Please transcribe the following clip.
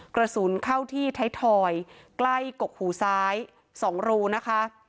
กระสุนเข้าที่ไทยทอยใกล้กกหูซ้าย๒รูนะคะ